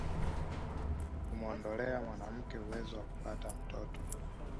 kumuondolea mwanamke uwezo wa kupata mtoto